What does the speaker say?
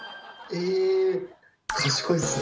へえ賢いっすね。